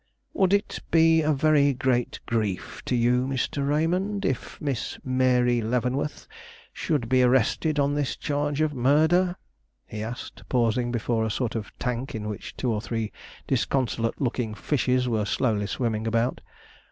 "Would it be a very great grief to you, Mr. Raymond, if Miss Mary Leavenworth should be arrested on this charge of murder?" he asked, pausing before a sort of tank in which two or three disconsolate looking fishes were slowly swimming about.